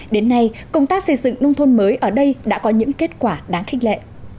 đến nay công tác xây dựng nông thôn mới ở đây đã có những kết quả đáng khích lệ